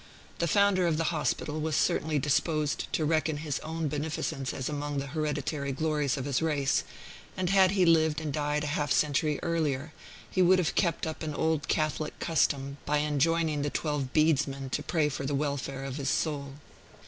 The founder of the hospital was certainly disposed to reckon his own beneficence as among the hereditary glories of his race; and had he lived and died a half century earlier, he would have kept up an old Catholic custom by enjoining the twelve bedesmen to pray for the welfare of his soul.